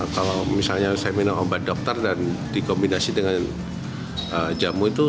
kalau misalnya saya minum obat dokter dan dikombinasi dengan jamu itu